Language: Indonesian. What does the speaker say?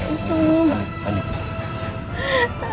aku cuma mau makan nindi di pindai